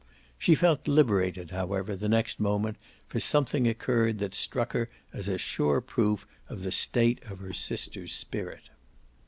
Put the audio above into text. She felt liberated, however, the next moment, for something occurred that struck her as a sure proof of the state of her sister's spirit.